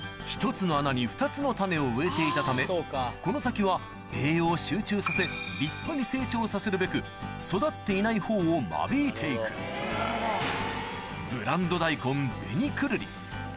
１つの穴に２つの種を植えていたためこの先は栄養を集中させ立派に成長させるべく育っていないほうを間引いて行くおぉ。